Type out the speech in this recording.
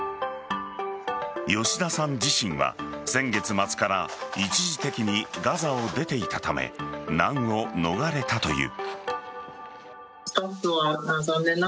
吉田さん自身は先月末から一時的にガザを出ていたため難を逃れたという。